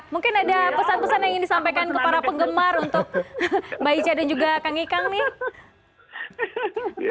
mungkin ada pesan pesan yang ingin disampaikan ke para penggemar untuk mbak ica dan juga kang ikang nih